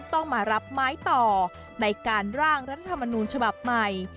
ต้องมารับไม้ต่อในการร่างรัฐธรรมนูญฉบับใหม่